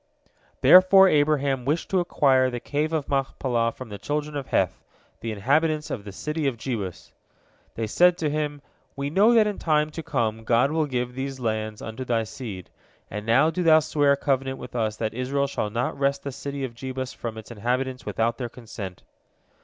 Therefore Abraham wished to acquire the Cave of Machpelah from the children of Heth, the inhabitants of the city of Jebus. They said to him. "We know that in time to come God will give these lands unto thy seed, and now do thou swear a covenant with us that Israel shall not wrest the city of Jebus from its inhabitants without their consent."